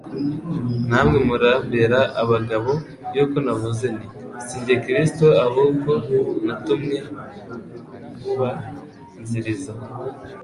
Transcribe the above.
namwe murambera abagabo yuko navuze nti: sinjye Kristo ahubwo natumwe kumubanziriza.